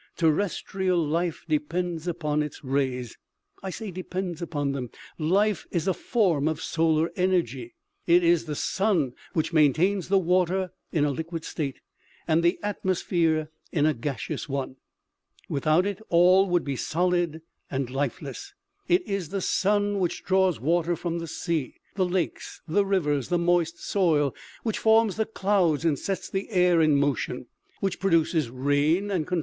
" Terrestrial life depends upon its rays. I say depends upon them life is a form of solar energy. It is the sun which maintains water in a liquid state, and the atmos phere in a gaseous one ; without it all would be solid and lifeless ; it is the sun which draws water from the sea, the lakes, the rivers, the moist soil ; which forms the clouds and sets the air in motion ; which produces rain and con OMEGA.